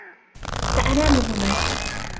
سأنام هنا.